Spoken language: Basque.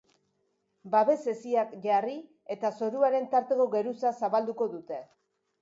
Babes hesiak jarri eta zoruaren tarteko geruza zabalduko dute.